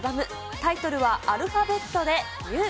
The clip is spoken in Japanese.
タイトルはアルファベットでＵ。